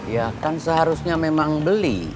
ya kan seharusnya memang beli